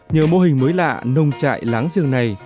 nhờ mô hình mới lạ nông trại láng giềng này